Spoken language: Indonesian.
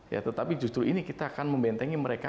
ya tetapi justru ini kita akan membentengi mereka